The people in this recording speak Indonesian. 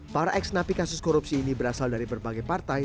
para ex napi kasus korupsi ini berasal dari berbagai partai